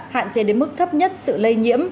hạn chế đến mức thấp nhất sự lây nhiễm